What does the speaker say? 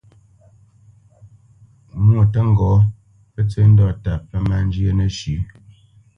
Mwô tə́ ŋgɔ́, pə́ tsə́ ndɔ́ta pə́ má njyə́ nəshʉ̌.